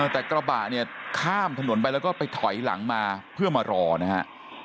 แต่กระบะเนี่ยข้ามถนนไปแล้วก็ไปถอยหลังมาเพื่อมารอนะฮะ